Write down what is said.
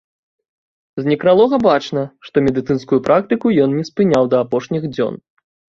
З некралога бачна, што медыцынскую практыку ён не спыняў да апошніх дзён.